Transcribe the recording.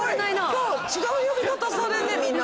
今日違う呼び方されるねみんな。